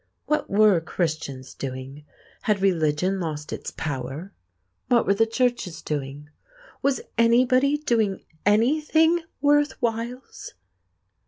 What were Christians doing? Had religion lost its power? What were the churches doing? Was anybody doing anything worth whiles?